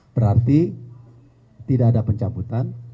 berarti tidak ada pencabutan